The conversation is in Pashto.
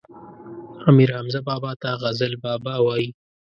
امير حمزه بابا ته غزل بابا وايي